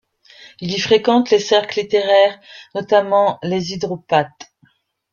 Il y fréquente les cercles littéraires, notamment les Hydropathes.